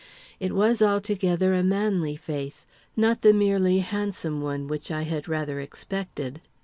It was, altogether, a manly face, not the merely handsome one which I had rather expected.